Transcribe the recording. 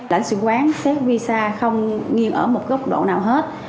lãnh sự quán xét visa không nghiêng ở một góc độ nào hết